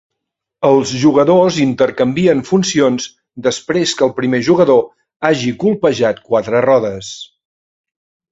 Els jugadors intercanvien funcions després que el primer jugador hagi colpejat quatre rodes.